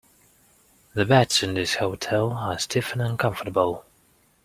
The beds in this hotel are stiff and uncomfortable.